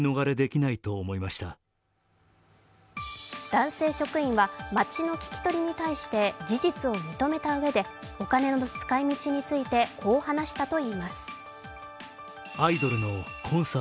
男性職員は町の聞き取りに対して事実を認めたうえでお金の使い道についてこう話したといいます。